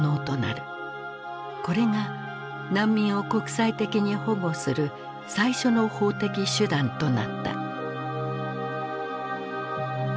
これが難民を国際的に保護する最初の法的手段となった。